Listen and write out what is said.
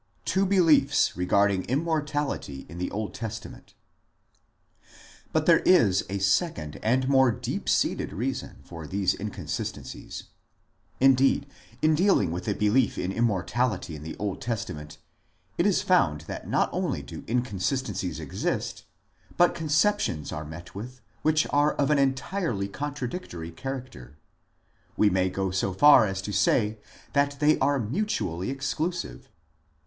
Two BELIEFS REGARDING IMMORTALITY nsr THE OLD TESTAMENT But there is a second and more deep seated reason for these inconsistencies. Indeed, in dealing with the belief 6 IMMORTALITY AND THE UNSEEN WORLD in Immortality in the Old Testament it is found that not only do inconsistencies exist, but conceptions are met with which are of an entirely contradictory character ; we may go so far as to say that they are mutually exclusive.